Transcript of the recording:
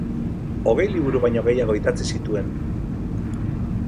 Hogei liburu baino gehiago idatzi zituen.